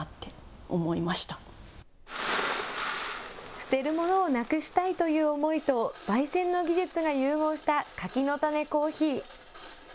捨てるものをなくしたいという思いと、ばい煎の技術が融合した柿の種コーヒー。